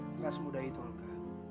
enggak semudah itu olga